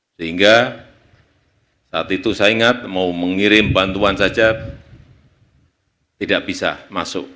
sehingga saat itu saya ingat mau mengirim bantuan saja tidak bisa masuk